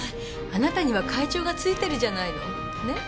あなたには会長がついてるじゃないの。ね？